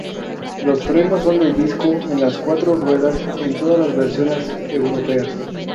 Los frenos son de disco en las cuatro ruedas en todas las versiones europeas.